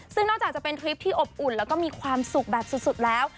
ซึ่งนอกจากจะเป็นทริปที่อบอุ่นแล้วก็มีความสุขแบบสุดแล้ว